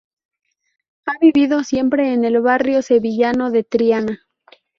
Ha vivido siempre en el barrio sevillano de Triana.